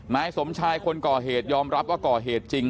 นายสมชายคนก่อเหตุยอมรับว่าก่อเหตุจริง